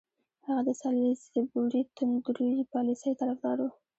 هغه د سالیزبوري توندروي پالیسۍ طرفدار وو.